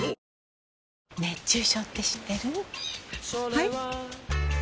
はい？